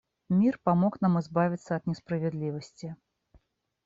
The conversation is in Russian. Мир помог нам избавиться от несправедливости.